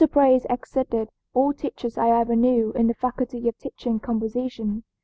Brace exceeded all teachers I ever knew in the faculty of teaching composition.